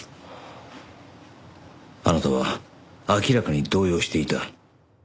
あなたは明らかに動揺していた。